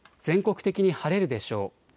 全国的に晴れるでしょう。